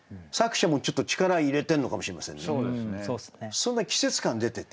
そんな季節感出てて。